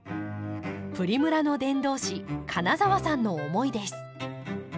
プリムラの伝道師金澤さんの思いです。